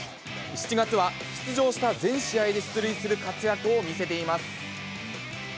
７月は出場した全試合で出塁する活躍を見せています。